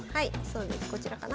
こちらかな？